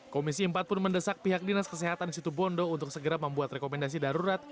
komisi empat pun mendesak pihak dinas kesehatan situbondo untuk segera membuat rekomendasi darurat